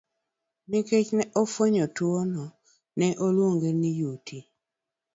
Nikech ne ofweny tuwono ne oluonge ni uti.